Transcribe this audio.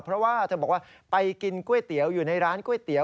เพราะว่าเธอบอกว่าไปกินก๋วยเตี๋ยวอยู่ในร้านก๋วยเตี๋ย